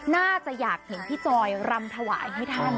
น่าจะอยากเห็นพี่จอยรำถวายให้ท่าน